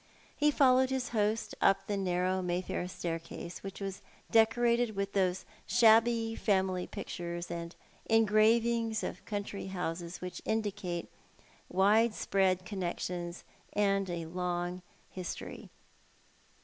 He followed his host up the narrow Mayfair staircase, which was decorated with those shabby family pictures and engravings of country houses which indicate widespread connexions and a long history.